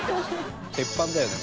鉄板だよね」